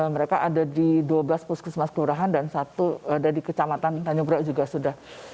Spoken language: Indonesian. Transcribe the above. mereka ada di dua belas puskesmas kelurahan dan satu ada di kecamatan tanjung priok juga sudah